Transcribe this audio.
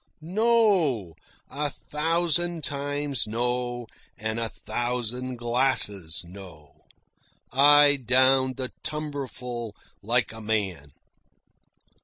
No; a thousand times no, and a thousand glasses no. I downed the tumblerful like a man.